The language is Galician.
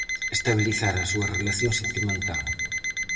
Estabilizar a súa relación sentimental.